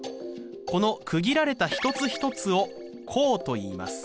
この区切られた一つ一つを項といいます。